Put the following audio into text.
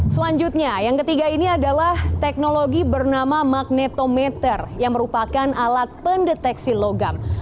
selanjutnya yang ketiga ini adalah teknologi bernama magnetometer yang merupakan alat pendeteksi logam